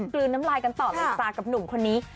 กลืนน้ำลายกันต่อเลยจ้ากับหนุ่มคนนี้